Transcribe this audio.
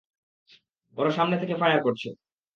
ওরা সামনে থেকে ফায়ার করছে।